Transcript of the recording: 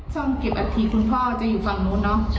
ช่วงเก็บนาทีคุณพ่อจะอยู่ฝั่งนู้นเนอะ